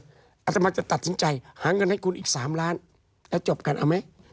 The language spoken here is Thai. อัตมาจะตัดสินใจหาเงินให้คุณอีก๓ล้านแล้วจบกันเอาไหม